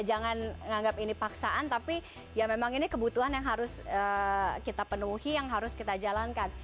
jangan menganggap ini paksaan tapi ya memang ini kebutuhan yang harus kita penuhi yang harus kita jalankan